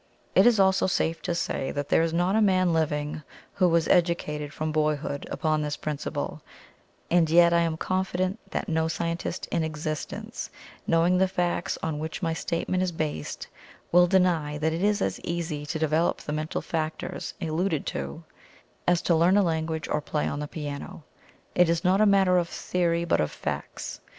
It is also safe to say that there is not a man living who was educated from boyhood upon this principle, and yet I am confident that no scientist in existence, knowing the facts on which my statement is based, will deny that it is as easy to develop the mental factors alluded to, as to learn a language or play on the piano. It is not a matter of theory but of facts.